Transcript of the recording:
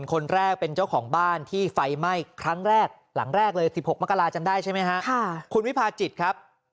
คนแรกเป็นเจ้าของบ้านฝัยไหม้ครั้งแรกหลังแรกเลย๑๖มกราคมถึงได้ใช่ไหมฮะ